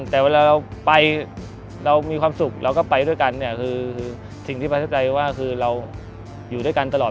แต่เวลาเราไปเรามีความสุขเราก็ไปด้วยกันเนี่ยคือสิ่งที่ประทับใจว่าคือเราอยู่ด้วยกันตลอด